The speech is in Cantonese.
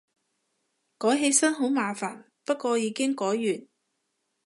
改起身好麻煩，不過已經改完